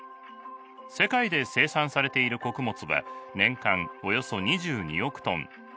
世界で生産されている穀物は年間およそ２２億トン。